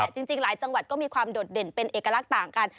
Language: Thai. จริงหลายจังหวัดก็มีความโดดเด่นเป็นเอกลักษณ์ต่างกัน